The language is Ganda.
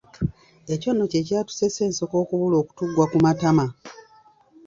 Ekyo nno kye kyatusesa enseko okubula okutuggwa ku matama.